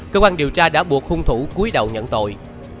cơ quan điều tra đã buộc hung thủ cuối đầu nhận tội